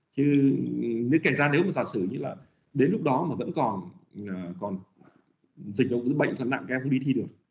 chứ nếu kể ra nếu mà giả sử như là đến lúc đó mà vẫn còn dịch bệnh thuần nặng cái em không đi thi được